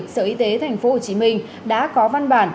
sở y tế tp hcm đã có văn bản